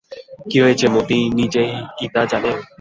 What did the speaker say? কী হইয়াছে মতি নিজেই কি তা জানে?